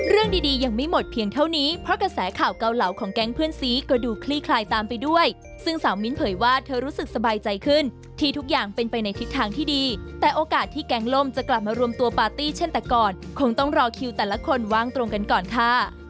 เรื่องดียังไม่หมดเพียงเท่านี้เพราะกระแสข่าวเกาเหลาของแก๊งเพื่อนซีก็ดูคลี่คลายตามไปด้วยซึ่งสาวมิ้นเผยว่าเธอรู้สึกสบายใจขึ้นที่ทุกอย่างเป็นไปในทิศทางที่ดีแต่โอกาสที่แก๊งล่มจะกลับมารวมตัวปาร์ตี้เช่นแต่ก่อนคงต้องรอคิวแต่ละคนว่างตรงกันก่อนค่ะ